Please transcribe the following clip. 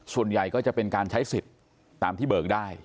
ส่วนใหญ่ก็จะเป็นการใช้สิทธิ์ตามที่เบิกได้